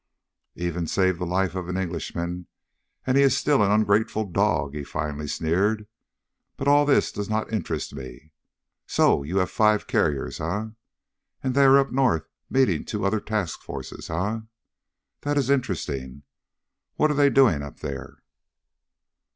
"Even save the life of an Englishman, and he is still an ungrateful dog," he finally sneered. "But all this does not interest me. So you have five carriers, eh? And they are up north meeting two other task forces, eh? That is interesting. What are they doing up there?"